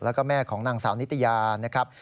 แล้วก็แม่ของนางสาวนิตยานะครับ